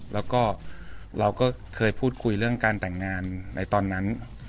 แล้วก็เราก็เคยพูดคุยเรื่องการแต่งงานในตอนนั้น